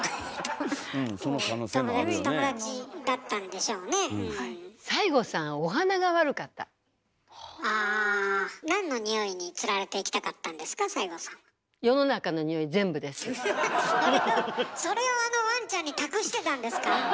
フフフッそれをそれをあのワンちゃんに託してたんですか？